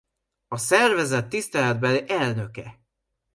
A szervezet tiszteletbeli elnöke.